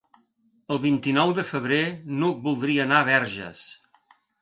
El vint-i-nou de febrer n'Hug voldria anar a Verges.